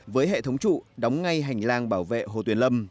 với hệ thống trụ đóng ngay hành lang bảo vệ hồ tuyền lâm